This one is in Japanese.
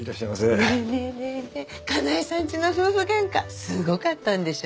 ねえねえねえ金井さんちの夫婦喧嘩すごかったんでしょ？